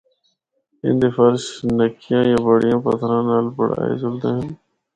ان دے فرش نکیاں یا بڑیاں پتھراں نال بنڑائے جلدے ہن۔